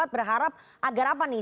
berharap agar apa nih